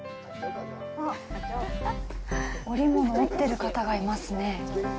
あっ、織物を織ってる方がいますね。